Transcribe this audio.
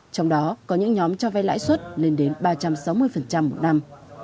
trong đó có những nhóm cho vay lãi suất lên đến ba trăm sáu mươi một năm